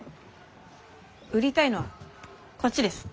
売りたいのはこっちです。